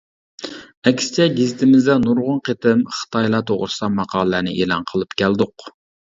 ئەكسىچە گېزىتىمىزدە نۇرغۇن قېتىم خىتايلار توغرىسىدا ماقالىلەرنى ئېلان قىلىپ كەلدۇق.